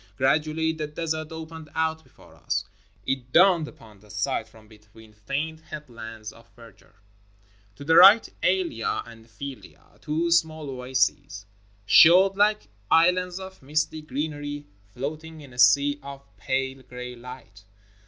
Gradually the desert opened out 343 NORTHERN AFRICA before us. It dawned upon the sight from between faint headlands of verdure. To the right Alia and Filiah — two small oases — showed hke islands of misty greenery floating in a sea of pale gray light.